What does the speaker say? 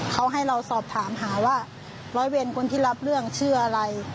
เขาให้เราสอบถามหาว่าร้อยเวรคนที่รับเรื่องชื่ออะไร